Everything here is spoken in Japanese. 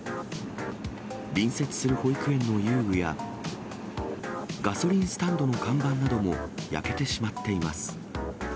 隣接する保育園の遊具や、ガソリンスタンドの看板なども焼けてしまっています。